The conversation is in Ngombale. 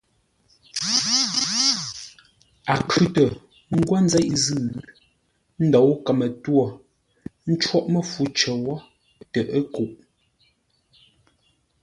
A khʉ̂tə ńgwó nzeʼ zʉ́ ńdǒu kəmə-twô, ə́ ncóghʼ məfu cər wó tə ə́ kuʼ.